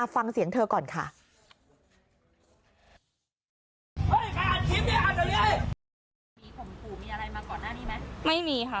ฟังเสียงเธอก่อนค่ะ